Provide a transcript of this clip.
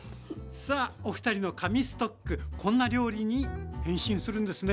さあおふたりの「神ストック」こんな料理に変身するんですね。